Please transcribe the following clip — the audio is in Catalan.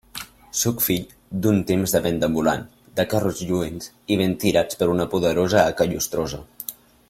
Sóc fill d'un temps de venda ambulant, de carros lluents i ben tirats per una poderosa haca llustrosa.